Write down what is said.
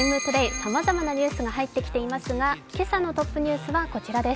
さまざまなニュースが入ってきていますが、今朝のトップニュースはこちらです。